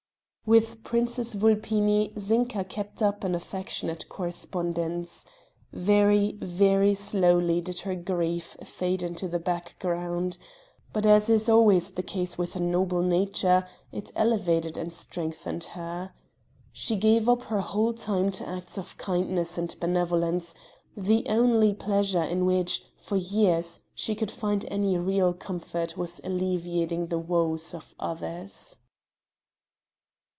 With Princess Vulpini Zinka kept up an affectionate correspondence. Very, very, slowly did her grief fade into the background; but as is always the case with a noble nature it elevated and strengthened her. She gave up her whole time to acts of kindness and benevolence; the only pleasure in which, for years, she could find any real comfort was alleviating the woes of others.